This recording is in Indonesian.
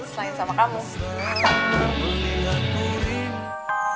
selain sama kamu